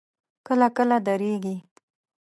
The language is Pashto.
کله کله درېږي.